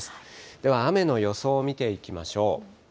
では雨の予想を見ていきましょう。